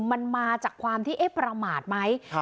มันมาจากความที่เอ๊ะประมาทไหม